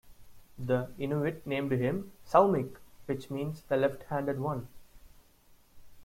The Inuit named him "Saumik," which means "the left-handed one".